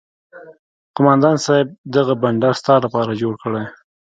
قومندان صايب دغه بنډار ستا لپاره جوړ کړى.